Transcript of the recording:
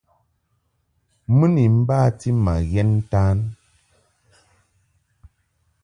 Mɨ ni bati ma ghɛn ntan.